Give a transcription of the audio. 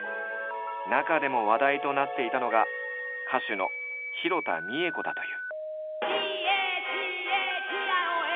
中でも話題となっていたのが歌手の弘田三枝子だという。